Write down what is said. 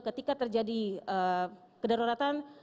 ketika terjadi kedaruratan